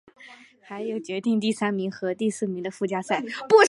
还有决定第三名和第四名的附加赛。